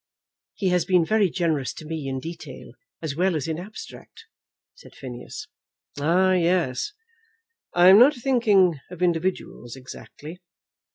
"He has been very generous to me in detail as well as in abstract," said Phineas. "Ah, yes; I am not thinking of individuals exactly.